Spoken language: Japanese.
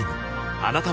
あなたも